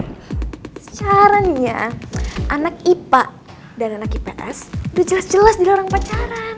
nih secaranya anak ipa dan anak ips udah jelas jelas dilarang pacaran